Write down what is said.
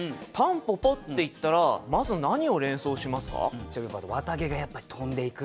蒲公英っていったらまず何を連想しますか？って